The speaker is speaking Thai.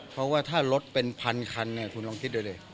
เพราะว่าถ้ารถเป็นพันคันคุณลองคิดดูดิ